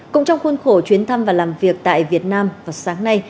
cũng trong khuôn khổ chuyến thăm và làm việc tại việt nam vào sáng nay